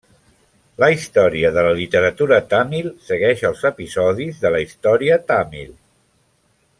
La història de la literatura tàmil segueix els episodis de la història tàmil.